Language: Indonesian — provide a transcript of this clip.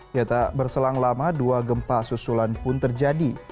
kita berselang lama dua gempa susulan pun terjadi